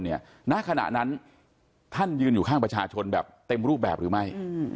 ณขณะนั้นท่านยืนอยู่ข้างประชาชนแบบเต็มรูปแบบหรือไม่